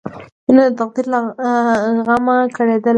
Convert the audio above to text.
مینه د تقدیر له غمه کړېدله